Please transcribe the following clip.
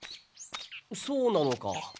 そうなのか。